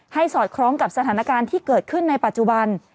สอดคล้องกับสถานการณ์ที่เกิดขึ้นในปัจจุบัน